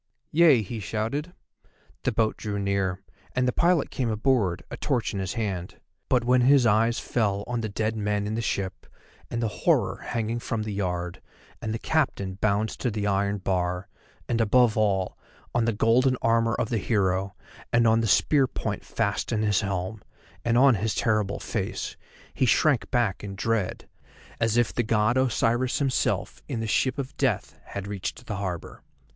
"Yea," he shouted. The boat drew near, and the pilot came aboard, a torch in his hand; but when his eyes fell on the dead men in the ship, and the horror hanging from the yard, and the captain bound to the iron bar, and above all, on the golden armour of the hero, and on the spear point fast in his helm, and on his terrible face, he shrank back in dread, as if the God Osiris himself, in the Ship of Death, had reached the harbour.